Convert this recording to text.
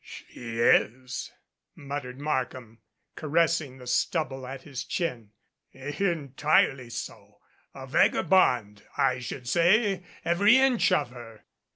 "She is," muttered Markham, caressing the stubble at his chin, "entirely so a vagabond I should say, every inch of her."